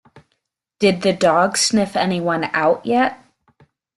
Did the dog sniff anyone out yet?